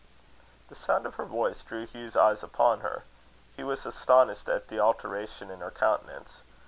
The sound of her voice drew Hugh's eyes upon her: he was astonished at the alteration in her countenance.